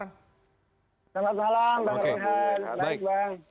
selamat malam pak rian baik bang